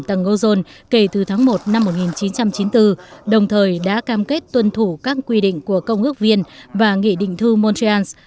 trong ozone kể từ tháng một năm một nghìn chín trăm chín mươi bốn đồng thời đã cam kết tuân thủ các quy định của công ước viên và nghị định thư montreal